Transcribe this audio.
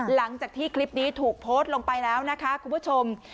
หลังจากที่คลิปนี้ถูกโพสต์ลงไปแล้วนะคะคุณผู้ชม